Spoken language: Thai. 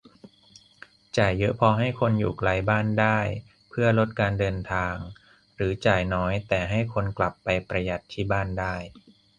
จ่ายเยอะพอให้คนอยู่ไกลบ้านได้เพื่อลดการเดินทาง หรือ จ่ายน้อยแต่ให้คนกลับไปประหยัดที่บ้านได้